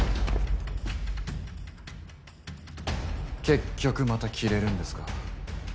結局またキレるんですか？